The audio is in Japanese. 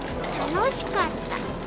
楽しかった。